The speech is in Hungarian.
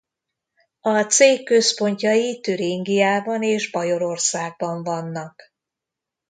A cég központjai Türingiában és Bajorországban vannak.